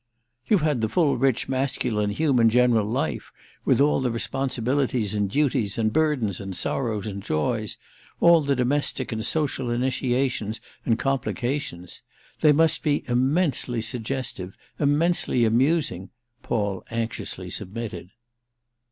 "You've had the full rich masculine human general life, with all the responsibilities and duties and burdens and sorrows and joys—all the domestic and social initiations and complications. They must be immensely suggestive, immensely amusing," Paul anxiously submitted.